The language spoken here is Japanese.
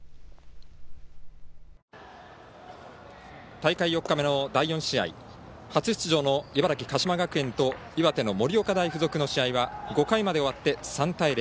大会４日目の第４試合、初出場の茨城、鹿島学園と岩手の盛岡大付属の試合は５回まで終わって３対０。